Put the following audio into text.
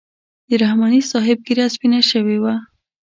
د رحماني صاحب ږیره سپینه شوې وه.